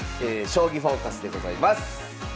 「将棋フォーカス」でございます。